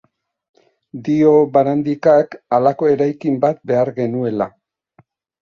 Dio Barandikak, halako eraikin bat behar genuela.